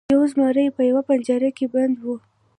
یو زمری په یوه پنجره کې بند و.